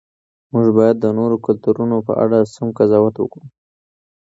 موږ باید د نورو کلتورونو په اړه سم قضاوت وکړو.